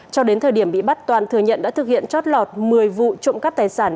cho đến thời điểm bị bắt toàn thừa nhận đã thực hiện chót lọt một mươi vụ trộm cắp tài sản